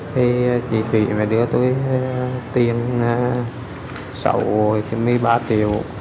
thì chị thủy đưa tôi tiền sáu mươi ba triệu